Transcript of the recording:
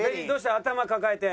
頭抱えて。